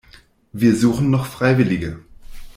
Wir suchen noch Freiwillige.